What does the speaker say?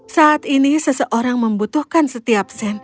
saat ini seseorang membutuhkan setiap sen